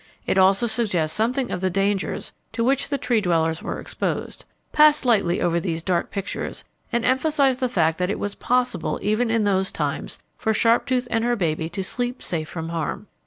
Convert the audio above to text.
It also suggests something of the dangers to which the Tree dwellers were exposed. Pass lightly over these dark pictures and emphasize the fact that it was possible even in those times for Sharptooth and her baby to sleep safe from harm.